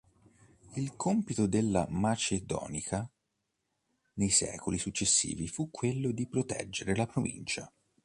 Il compito della "Macedonica" nei secoli successivi fu quello di proteggere la provincia.